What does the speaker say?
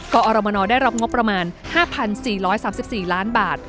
กอรมนได้รับงบประมาณ๕๔๓๔ล้านบาท